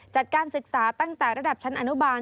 จัดการศึกษาตั้งแต่ระดับชั้นอนุบาล